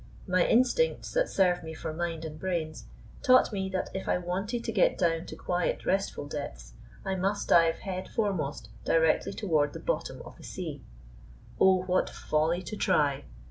My instincts, that serve me for mind and brains, taught me that if I wanted to get down to quiet, restful depths, I must dive head foremost directly toward the bottom of the sea. Oh, what folly to try!